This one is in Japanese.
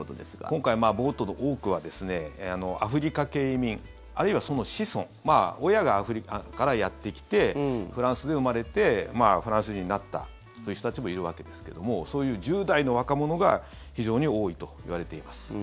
今回、暴徒の多くはアフリカ系移民あるいは、その子孫親がアフリカからやってきてフランスで生まれてフランス人になったという人たちもいるわけですがそういう１０代の若者が非常に多いといわれています。